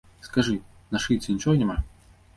Скажы, на шыйцы нічога няма?